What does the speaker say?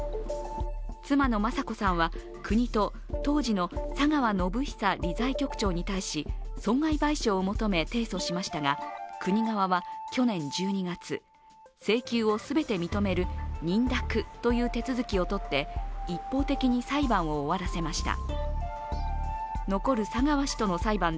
妻の雅子さんは、国と当時の佐川宣寿理財局長に対し、損害賠償を求め提訴しましたが国側は去年１２月、請求を全て認める認諾という手続きをとって一方的に裁判を終わらせました。